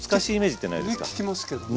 ね聞きますけどね。